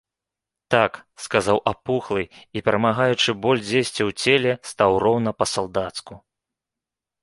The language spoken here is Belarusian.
Так, - сказаў апухлы i, перамагаючы боль дзесьцi ў целе, стаў роўна па-салдацку.